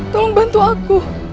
tolong bantu aku